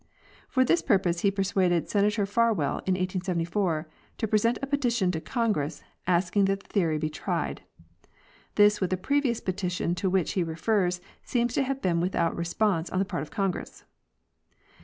For this purpose he persuaded Senator Farwell, in 1874, to present a petition to Congress asking that the theory be tried. This, with a previous petition to which he refers, seems to have been without response on the part of Congress.